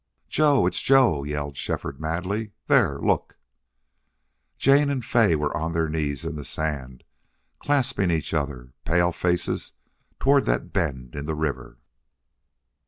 "Joe! It's Joe!" yelled Shefford, madly. "There!... Look!" Jane and Fay were on their knees in the sand, clasping each other, pale faces toward that bend in the river.